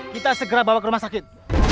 kita segera bawa ke rumah sakit